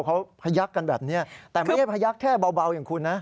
เขาพยักกันแบบนี้แต่ไม่ได้พยักษ์แค่เบาอย่างคุณนะ